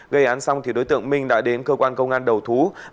gây án xong thì đối tượng minh đã đến cơ quan công an đầu thú